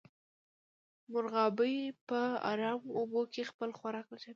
مرغابۍ په ارامو اوبو کې خپل خوراک لټوي